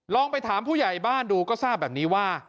ลองไปถามผู้ใหญ่บ้านดูก็ทราบแบบนี้ว่า